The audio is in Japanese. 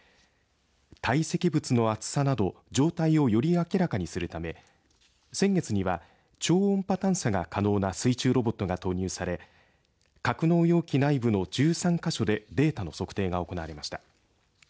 堆積物の厚さなど状態をより明らかにするため先月には、超音波探査が可能な水中ロボットが投入され格納容器内部の１３か所でデータの測定が行われました。